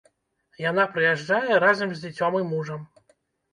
Яна прыязджае разам з дзіцём і мужам.